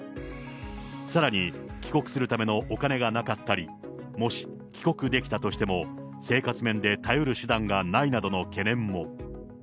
さらに、帰国するためのお金がなかったり、もし帰国できたとしても、生活面で頼る手段がないなどの懸念も。